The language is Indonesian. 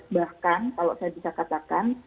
bahkan kalau saya bisa katakan